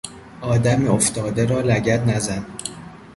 آدم افتاده را لگد نزن!